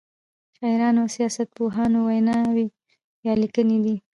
شاعرانو او سیاست پوهانو ویناوی یا لیکنې دي.